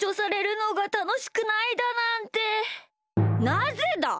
なぜだ！